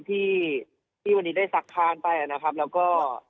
ที่วันนี้ได้สักทานไปแล้วก็